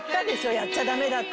やっちゃダメだって！